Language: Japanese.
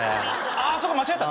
あそっか間違えた。